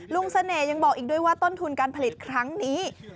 เสน่ห์ยังบอกอีกด้วยว่าต้นทุนการผลิตครั้งนี้